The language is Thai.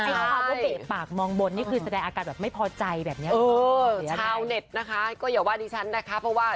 พูดแบบว่าเกะปากมองบนคือแสดงอากาศแบบไม่พอใจ